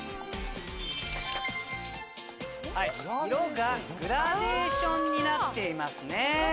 色がグラデーションになっていますね。